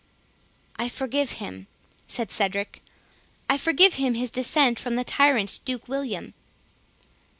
"I forgive him," said Cedric; "I forgive him his descent from the tyrant Duke William."